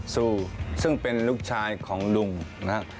ซูซึ่งเป็นลูกชายของลุงนะครับ